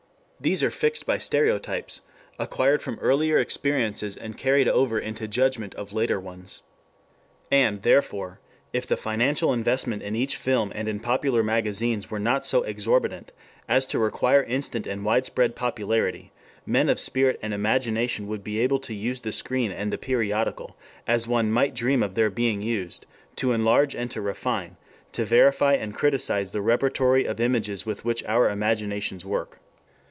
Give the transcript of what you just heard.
These are fixed by stereotypes, acquired from earlier experiences and carried over into judgment of later ones. And, therefore, if the financial investment in each film and in popular magazines were not so exorbitant as to require instant and widespread popularity, men of spirit and imagination would be able to use the screen and the periodical, as one might dream of their being used, to enlarge and to refine, to verify and criticize the repertory of images with which our imaginations work.